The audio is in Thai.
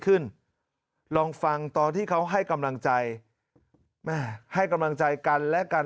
ขึ้นลองฟังตอนที่เขาให้กำลังใจแม่ให้กำลังใจกันและกัน